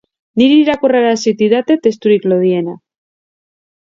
Niri irakurrarazi didate testurik lodiena